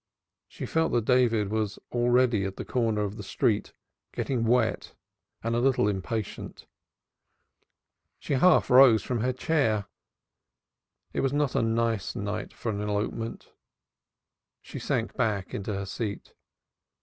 She felt sure that David was already at the corner of the street, getting wet and a little impatient. She half rose from her chair. It was not a nice night for an elopement. She sank back into her seat.